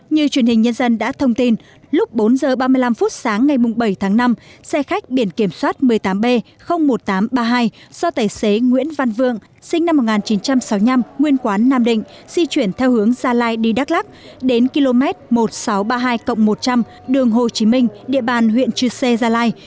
như truyền hình nhân dân đã thông tin lúc bốn h ba mươi năm phút sáng ngày bảy tháng năm xe khách biển kiểm soát một mươi tám b một nghìn tám trăm ba mươi hai do tài xế nguyễn văn vượng sinh năm một nghìn chín trăm sáu mươi năm nguyên quán nam định di chuyển theo hướng gia lai đi đắk lắc đến km một nghìn sáu trăm ba mươi hai một trăm linh đường hồ chí minh địa bàn huyện chư sê gia lai